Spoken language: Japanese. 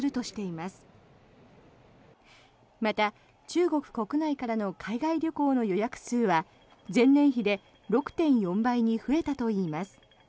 また、中国国内からの海外旅行の予約数は前年比で６．４倍に増えたといいます。